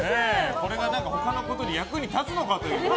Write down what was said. これが他のことに役に立つのかという。